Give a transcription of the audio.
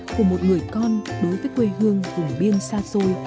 của một người con đối với quê hương vùng biên xa xôi